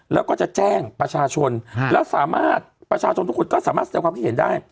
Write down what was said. แล้วก็จะแจ้งประชาชนแล้วสามารถประชาชนทุกคนก็สามารถแสดงความคิดเห็นได้